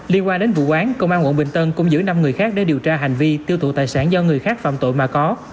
liên quan đến vụ án công an quận bình tân cũng giữ năm người khác để điều tra hành vi tiêu thụ tài sản do người khác phạm tội mà có